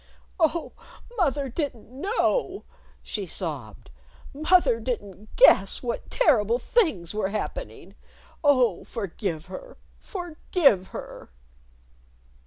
"Oh, mother didn't know!" she sobbed. "Mother didn't guess what terrible things were happening! Oh, forgive her! Forgive her!"